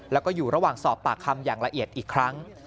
แล้วก็อยู่ระหว่างสอบปากคำอย่างละเอียดอีกครั้ง